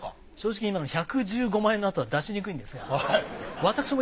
正直今の１１５万円の後は出しにくいんですが。